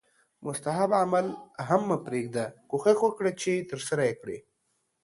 مستحب عمل هم مه پریږده کوښښ وکړه چې ترسره یې کړې